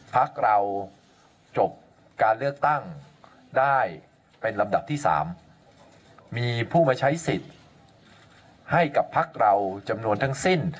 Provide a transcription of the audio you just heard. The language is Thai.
พักเราจบการเลือกตั้งได้เป็นลำดับที่๓มีผู้มาใช้สิทธิ์ให้กับพักเราจำนวนทั้งสิ้น